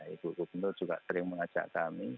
ibu gubernur juga sering mengajak kami